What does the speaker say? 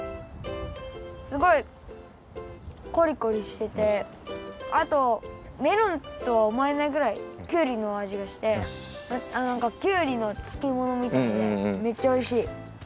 すごいコリコリしててあとメロンとはおもえないぐらいきゅうりの味がしてきゅうりのつけものみたいでめっちゃおいしい。